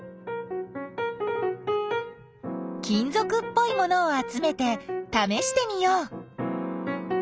金ぞくっぽいものをあつめてためしてみよう。